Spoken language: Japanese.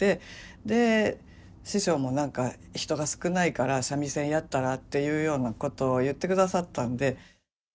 で師匠も何か「人が少ないから三味線やったら」っていうようなことを言ってくださったんで。